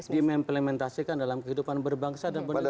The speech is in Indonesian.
diimplementasikan dalam kehidupan berbangsa dan bernegara